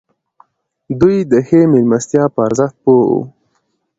دوی د ښې مېلمستیا په ارزښت پوه وو.